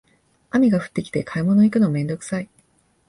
雨が降ってきて買い物行くのめんどくさい